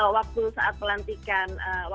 waktu saat pelantikan